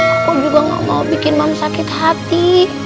aku juga gak mau bikin mama sakit hati